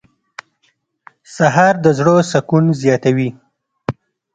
سهار د زړه سکون زیاتوي.